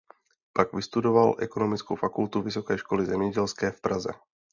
Pak vystudoval ekonomickou fakultu Vysoké školy zemědělské v Praze.